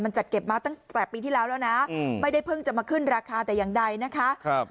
จัดเก็บมาตั้งแต่ปีที่แล้วแล้วนะไม่ได้เพิ่งจะมาขึ้นราคาแต่อย่างใดนะคะ